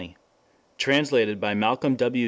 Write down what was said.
Translated by Malcolm W.